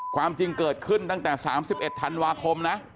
ความจริงเกิดขึ้นตั้งแต่๓๑ธันวาคมนะ